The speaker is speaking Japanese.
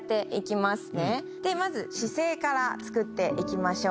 まず姿勢からつくって行きましょう。